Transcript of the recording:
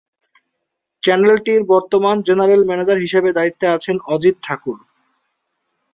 চ্যানেলটির বর্তমান general manager হিসেবে দায়িত্বে আছেন অজিত ঠাকুর।